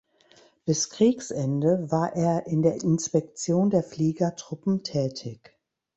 Bis Kriegsende war er in der Inspektion der Fliegertruppen tätig.